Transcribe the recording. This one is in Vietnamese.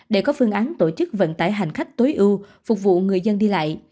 để có phương án tổ chức vận tải hành khách tối ưu phục vụ người dân đi lại